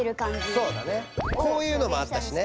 そうだねこういうのもあったしね。